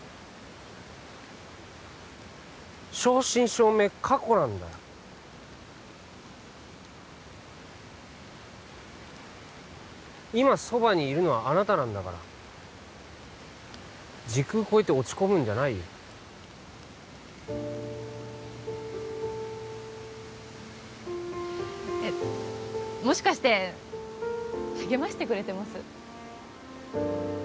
正真正銘過去なんだよ今そばにいるのはあなたなんだから時空超えて落ち込むんじゃないよえっもしかして励ましてくれてます？